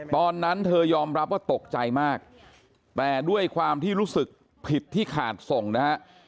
ตอนนั้นเธอยอมรับว่าตกใจมากแต่ด้วยความที่รู้สึกผิดที่ขาดส่งนะฮะ